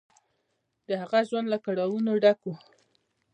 د هغه ژوند له کړاوونو ډک و.